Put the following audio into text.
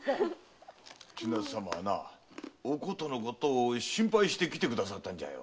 千奈津様はなお琴のことを心配して来てくださったんじゃよ。